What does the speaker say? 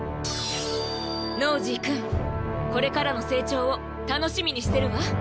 ノージーくんこれからのせいちょうをたのしみにしてるわ。